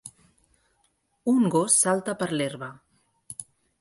un gos salta per l'herba.